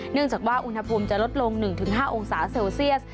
เนื่องจากว่าอุณหภูมิจะลดลง๑๕องศาเซลเซียส